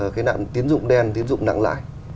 cái nạn tiến dụng đen tiến dụng nặng lại